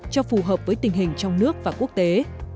cho phù hợp với tình hình trong nước và quốc tế